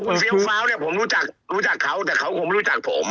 คุณเซียฟเฟ้าเนี่ยผมรู้จักเขาแต่เขาก็ไม่รู้จักผม